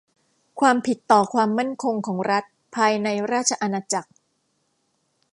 ความผิดต่อความมั่นคงของรัฐภายในราชอาณาจักร